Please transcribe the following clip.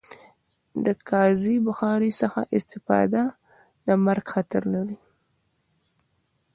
د کازی بخاری څخه استفاده د مرګ خطر لری